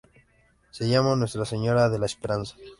Se llamaba Nuestra Señora de la Esperanza.